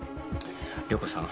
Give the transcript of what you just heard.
涼子さん。